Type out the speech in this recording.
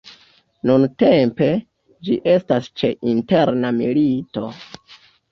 Nuntempe, ĝi estas ĉe interna milito.